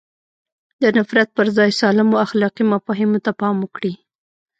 د نفرت پر ځای سالمو اخلاقي مفاهیمو ته پام وکړي.